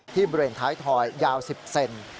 ที่เบรนท้ายถอยยาว๑๐เซนติเมตร